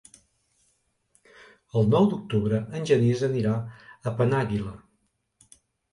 El nou d'octubre en Genís anirà a Penàguila.